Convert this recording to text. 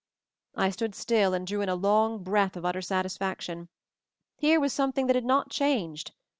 I stood still and drew in a long breath of utter satisfaction. Here was something that had not changed.